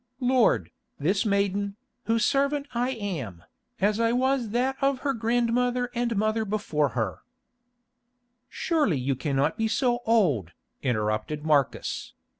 "Lord, this maiden, whose servant I am, as I was that of her grandmother and mother before her——" "Surely you cannot be so old," interrupted Marcus.